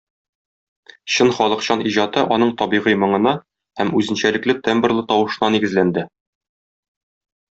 Чын халыкчан иҗаты аның табигый моңына һәм үзенчәлекле тембрлы тавышына нигезләнде.